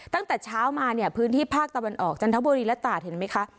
ตั้งแต่เช้ามาเนี่ยพื้นที่ภาคตะวันออกจันทบุรีและตาดเห็นไหมคะ